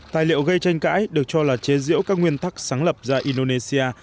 tài liệu gây tranh cãi được cho là chế diễu các nguyên tắc sáng lập ra indonesia